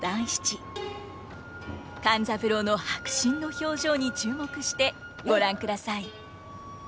勘三郎の迫真の表情に注目してご覧ください。